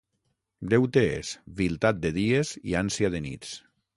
Deute és viltat de dies i ànsia de nits.